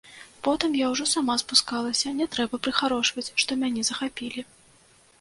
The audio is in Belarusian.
Потым я ўжо сама спускалася, не трэба прыхарошваць, што мяне захапілі.